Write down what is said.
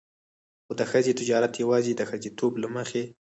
خو د ښځې تجارت يواځې د ښځېتوب له مخې.